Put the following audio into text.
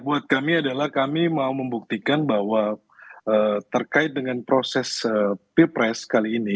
buat kami adalah kami mau membuktikan bahwa terkait dengan proses pilpres kali ini